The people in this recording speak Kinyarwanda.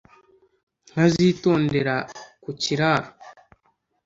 Nkazitondera ku kiraro